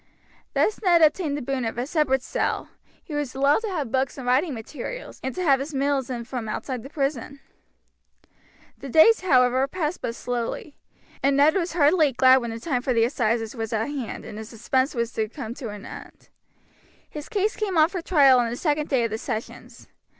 Thus Ned obtained the boon of a separate cell, he was allowed to have books and writing materials, and to have his meals in from outside the prison. The days, however, passed but slowly, and Ned was heartily glad when the time for the assizes was at hand and his suspense was to come to an end. His case came on for trial on the second day of the sessions.